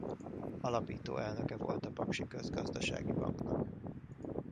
Alapító elnöke volt a Paksi Közgazdasági Banknak.